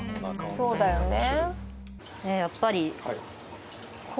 「そうだよね」